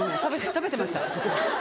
食べてました。